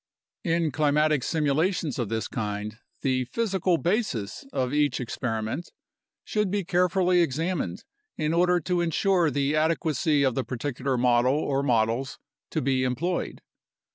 In climatic simulations of this kind the physical basis of each experi ment should be carefully examined in order to ensure the adequacy of the particular model or models to be employed.